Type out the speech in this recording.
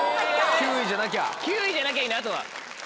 ９位じゃなきゃいいんだあとは。